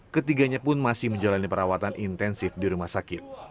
ketiganya pun masih menjalani perawatan intensif di rumah sakit